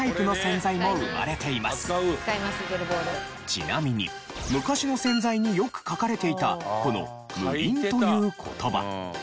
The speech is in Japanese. ちなみに昔の洗剤によく書かれていたこの「無りん」という言葉。